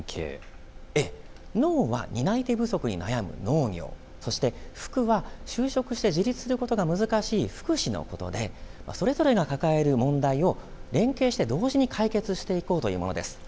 農は担い手不足に悩む農業、福は就職して自立することが難しい福祉のことでそれぞれが抱える問題を連携して同時に解決していこうというものです。